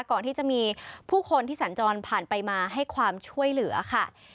ก่อนที่จะมีผู้คนที่สัญจรผ่านไปมาให้ความช่วยเหลือค่ะ